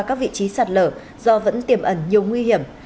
các vị trí sạt lở do vẫn tiềm ẩn nhiều nguy hiểm